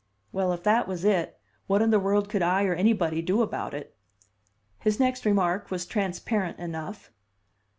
Well, if that was it, what in the world could I, or anybody, do about it? His next remark was transparent enough.